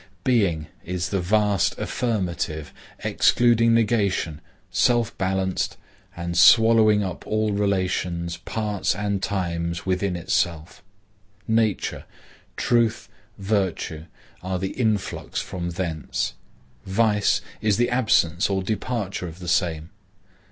Being is the vast affirmative, excluding negation, self balanced, and swallowing up all relations, parts and times within itself. Nature, truth, virtue, are the influx from thence. Vice is the absence or departure of the same.